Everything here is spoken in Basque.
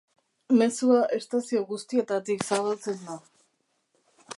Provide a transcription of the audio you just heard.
Mezua estazio guztietatik zabaltzen da.